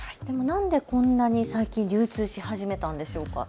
何でこんなに最近流通し始めたんでしょうか。